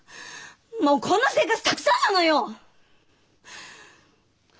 もうこんな生活たくさんなのよ！